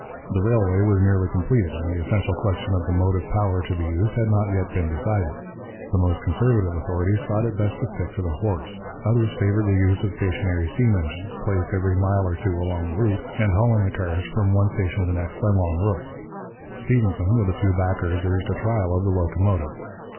The railway was nearly completed, and the essential question of the motive power to be used had not yet been decided. The most conservative authorities thought it best to stick to the horse; others favoured the use of stationary steam engines, placed every mile or two along the route, and hauling the cars from one station to the next by long ropes; Stephenson, with a few backers, urged a trial of the locomotive.